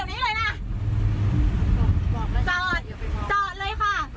ไม่เอาป้าทานอย่างนี้ได้ยังไงมันรวนรามหนูอ่ะ